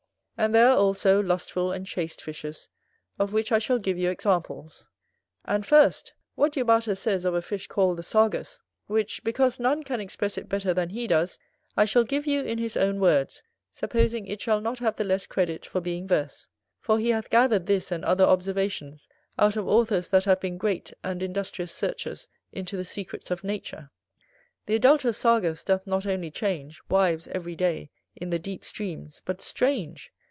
And there are, also, lustful and chaste fishes; of which I shall give you examples. And first, what Du Bartas says of a fish called the Sargus; which, because none can express it better than he does, I shall give you in his own words, supposing it shall not have the less credit for being verse; for he hath gathered this and other observations out of authors that have been great and industrious searchers into the secrets of nature. The adult'rous Sargus doth not only change Wives every day, in the deep streams, but, strange!